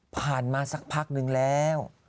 ผ่านมาสักพักหนึ่งแล้ว